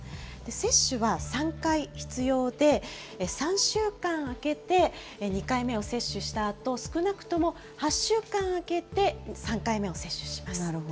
接種は３回必要で、３週間あけて、２回目を接種したあと、少なくとも８週間あけて、３回目を接種します。